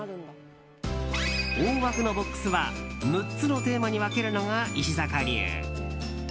大枠のボックスは６つのテーマに分けるのが石阪流。